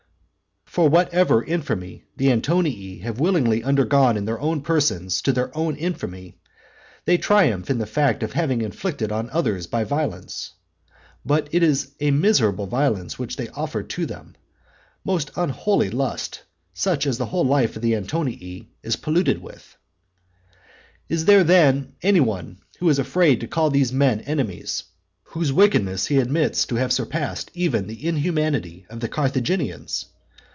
For whatever infamy the Antonii have willingly undergone in their own persons to their own infamy, they triumph in the fact of having inflicted on others by violence. But it is a miserable violence which they offered to them; most unholy lust, such as the whole life of the Antonii is polluted with. IV. Is there then any one who is afraid to call those men enemies, whose wickedness he admits to have surpassed even the inhumanity of the Carthaginians?